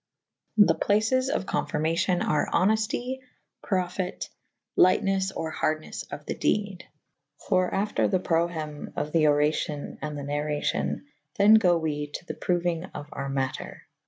The places of confyrmacyon are honefty / perfite ' lyghtnes or hardines of the * dede. For after the proheme of the oracion and the narracyon / then go we to the prouynge of our mater.